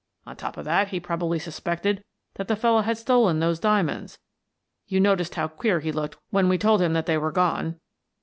On top of that, he probably suspected that the fellow had stolen those diamonds — you noticed how queer he looked when we told him that they were gone.